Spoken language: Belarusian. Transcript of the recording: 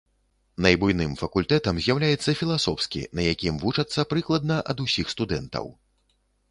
Найбуйным факультэтам з'яўляецца філасофскі, на якім вучацца прыкладна ад усіх студэнтаў.